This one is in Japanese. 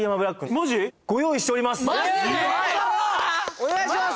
お願いします